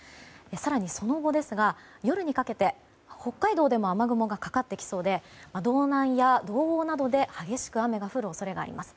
更に、その後夜にかけて北海道でも雨雲がかかってきそうで道南や道央などで激しく雨が降る恐れがあります。